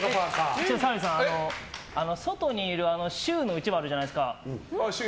一応、澤部さん外にある「秀」のうちわあるじゃないですか。